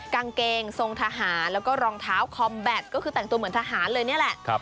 กางเกงทรงทหารแล้วก็รองเท้าคอมแบตก็คือแต่งตัวเหมือนทหารเลยนี่แหละ